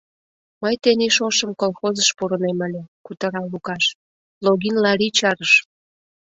— Мый тений шошым колхозыш пурынем ыле, — кутыра Лукаш, — Логин Лари чарыш.